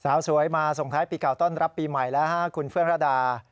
สาวสวยมาส่งท้ายปีเก่าต้อนรับปีใหม่แล้วฮะคุณเฟื่องระดา